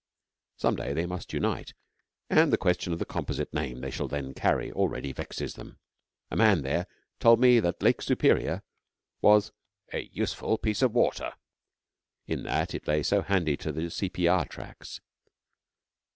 Some day they must unite, and the question of the composite name they shall then carry already vexes them. A man there told me that Lake Superior was 'a useful piece of water,' in that it lay so handy to the C.P.R. tracks.